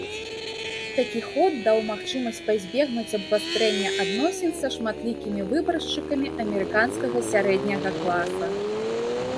Такі ход даў магчымасць пазбегнуць абвастрэння адносін са шматлікімі выбаршчыкамі амерыканскага сярэдняга класа.